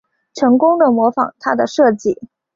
成功的模仿他的设计